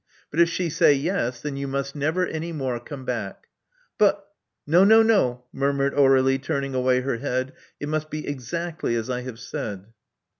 But if she say *yes,' then you must never any more come back." But " No, no, no," murmured Aur^lie, turning away her head. It must be exactly as I have said."